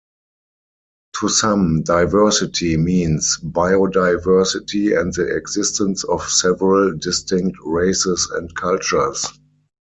To some, diversity means bio-diversity and the existence of several distinct races and cultures.